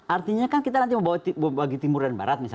artinya kan kita nanti mau bagi timur dan barat